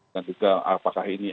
dan juga apakah ini